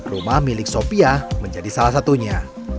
rumah milik sopiah menjadi salah satunya